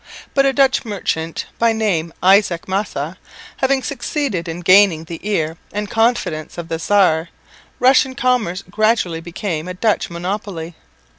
But a Dutch merchant, by name Isaac Massa, having succeeded in gaining the ear and confidence of the Tsar, Russian commerce gradually became a Dutch monopoly.